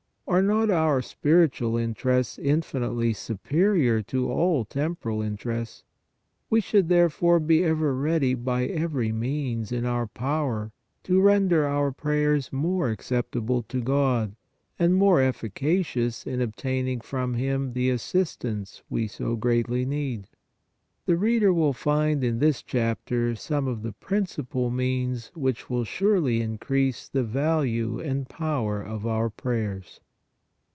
Are not our spiritual interests in finitely superior to all temporal interests? We should, therefore, be ever ready by every means in our power to render our prayers more acceptable to God and more efficacious in obtaining from Him the assistance we so greatly need. The reader will find in this chapter some of the principal means which will surely increase the value and power of our prayers.